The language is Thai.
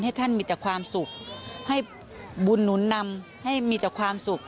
ท่านมีแต่ความสุขให้บุญหนุนนำให้มีแต่ความสุข